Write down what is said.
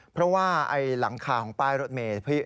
เพราะว่าหลังคาของป้ายรถเมย์